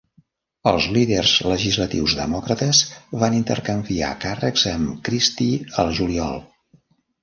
Els líders legislatius demòcrates van intercanviar càrrecs amb Christie al juliol.